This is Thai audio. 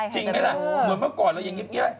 จากต้นโปรดค่ะ